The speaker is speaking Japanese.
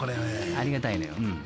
［ありがたいのよ］